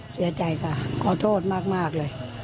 เสียใจค่ะขอโทษมากเลย